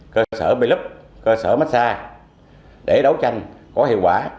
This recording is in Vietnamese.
cơ sở bê lúp cơ sở massage để đấu tranh có hiệu quả